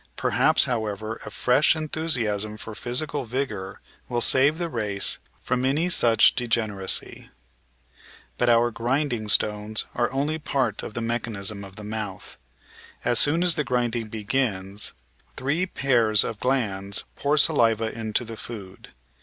Per haps, however, a fresh enthusiasm for physical vigour will save the race from any such degeneracy. But oiu* "grinding stones" are only part of the mechanism of the mouth. As soon as the grinding begins three pairs of glands pour saliva into the food.